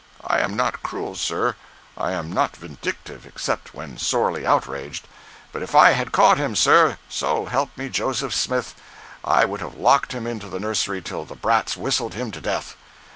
I am not cruel, sir—I am not vindictive except when sorely outraged—but if I had caught him, sir, so help me Joseph Smith, I would have locked him into the nursery till the brats whistled him to death.